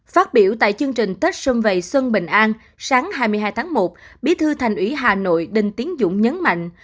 phát biểu tại chương trình tết xuân vầy xuân bình an sáng hai mươi hai tháng một bí thư thành ủy hà nội đinh tiến dũng nhấn mạnh